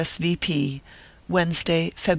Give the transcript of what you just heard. S. V. P.) WEDNESDAY, Feb.